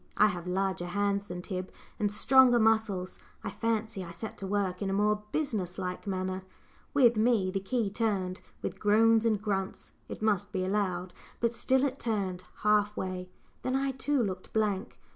I have larger hands than Tib, and stronger muscles; I fancy I set to work in a more business like manner. With me the key turned with groans and grunts, it must be allowed but still it turned half way! then I too looked blank.